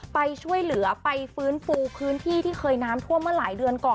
ไปช่วยเหลือไปฟื้นฟูพื้นที่ที่เคยน้ำท่วมเมื่อหลายเดือนก่อน